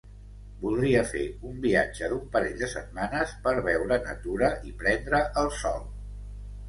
Voldria fer un viatge d'un parell de setmanes, per veure natura i prendre el sol.